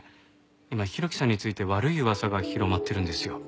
今浩喜さんについて悪い噂が広まってるんですよ。